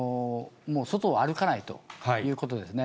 外を歩かないということですね。